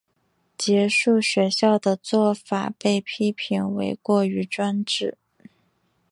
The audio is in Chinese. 结束学校的做法被批评为过于专制。